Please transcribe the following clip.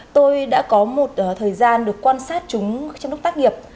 tôi đã có một thời gian được quan sát chúng trong lúc tác nghiệp